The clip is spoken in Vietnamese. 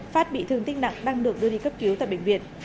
phát bị thương tích nặng đang được đưa đi cấp cứu tại bệnh viện